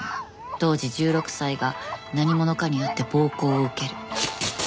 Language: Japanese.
当時１６歳が何者かによって暴行を受ける。